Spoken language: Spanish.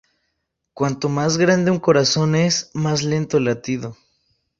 Cuanto más grande un corazón es, más lento el latido.